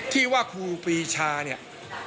ที่ว่าครูปีชาเนี่ย